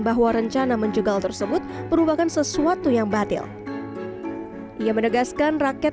bahwa rencana menjegal tersebut merupakan sesuatu yang batil ia menegaskan rakyat